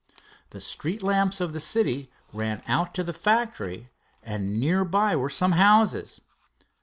The street lamps of the city ran out to the factory, and nearby were some houses.